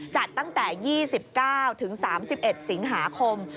จัดตั้งแต่๒๙ถึง๓๑สิงหาคม